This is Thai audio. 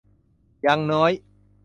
ยังน้อย